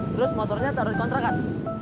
terus motornya taruh di kontrakan